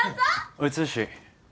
おい剛。